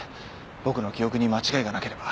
僕の記憶に間違いがなければ。